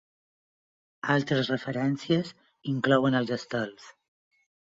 Altres referències inclouen els estels.